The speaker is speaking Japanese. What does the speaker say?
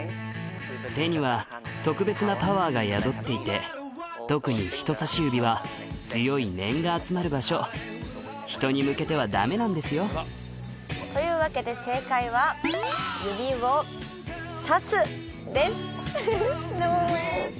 手には特別なパワーが宿っていて特に人さし指は強い念が集まる場所人に向けてはダメなんですよというわけでノー！